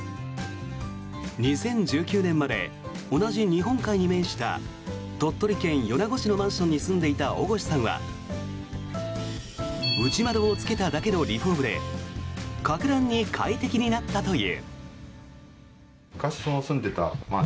２０１９年まで同じ日本海に面した鳥取県米子市のマンションに住んでいた生越さんは内窓をつけただけのリフォームで格段に快適になったという。